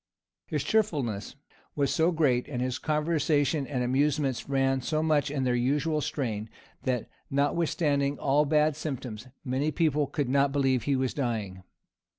His cheerfulness was so great, and his conversation and amusements ran so much in their usual strain, that, notwithstanding all bad symptoms, many people could not believe he was dying.